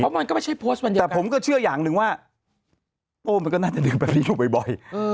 เพราะมันก็ไม่ใช่โพสต์แต่ผมก็เชื่ออย่างหนึ่งว่าโอ้มันก็น่าจะดื่มแบบนี้อยู่บ่อยบ่อย